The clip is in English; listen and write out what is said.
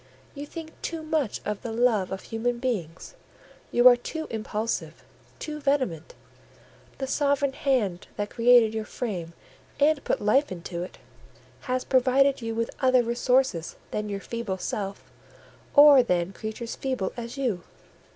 you think too much of the love of human beings; you are too impulsive, too vehement; the sovereign hand that created your frame, and put life into it, has provided you with other resources than your feeble self, or than creatures feeble as you.